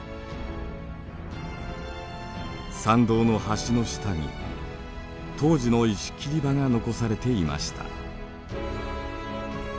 山道の橋の下に当時の石切り場が残されていました。